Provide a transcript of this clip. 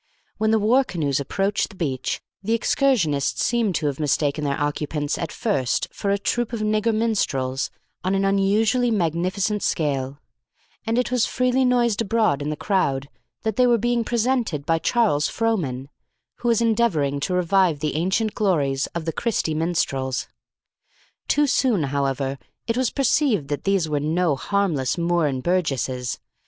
When the war canoes approached the beach, the excursionists seem to have mistaken their occupants at first for a troupe of nigger minstrels on an unusually magnificent scale; and it was freely noised abroad in the crowd that they were being presented by Charles Frohmann, who was endeavouring to revive the ancient glories of the Christy Minstrels. Too soon, however, it was perceived that these were no harmless Moore and Burgesses.